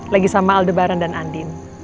lagi sama aldebaran dan andin